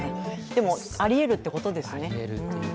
でも、ありえるってことですね。